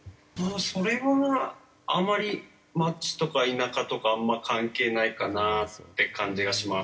それはあんまり街とか田舎とかあんま関係ないかなって感じがします。